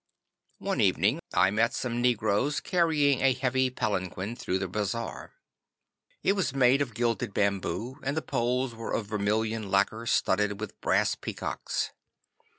'One evening I met some negroes carrying a heavy palanquin through the bazaar. It was made of gilded bamboo, and the poles were of vermilion lacquer studded with brass peacocks.